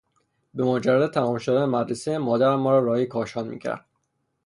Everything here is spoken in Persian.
به مجرد تمام شدن مدرسه مادرم ما را راهی کاشان میکرد.